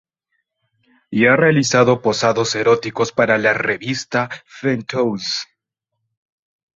Y ha realizado posados eróticos para la revista Penthouse.